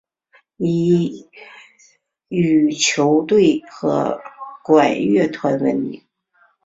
以羽球队和管乐团闻名。